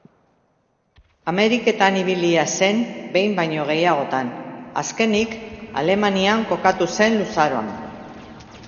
Ameriketan ibilia zen behin baino gehiagotan; azkenik, Alemanian kokatu zen luzaroan.